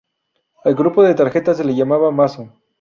Al grupo de tarjetas se le llamaba "mazo".